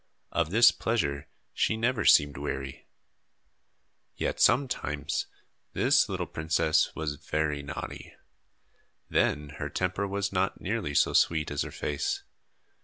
Of this pleasure she never seemed weary. Yet sometimes this little princess was very naughty. Then her temper was not nearly so sweet as her face.